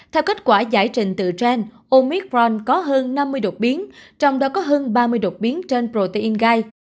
theo kết quả giải trình từ gen omicron có hơn năm mươi đột biến trong đó có hơn ba mươi đột biến trên protein gai